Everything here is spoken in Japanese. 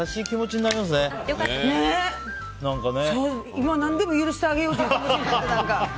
今、何でも許してあげようという気持ちになって。